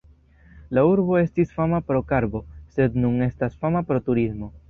La urbo estis fama pro karbo, sed nun estas fama pro turismo.